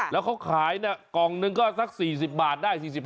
แล้วเขาขายกล่องหนึ่งก็สัก๔๐บาทได้๔๕